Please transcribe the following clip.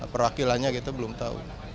perwakilannya gitu belum tau